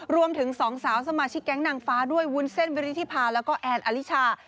รวมถึงสองสาวสมาชิกแก๊งนางฟ้าด้วยวุ้นเส้นวิริธิพาแล้วก็แอนอลิชา